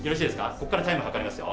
こっからタイム計りますよ。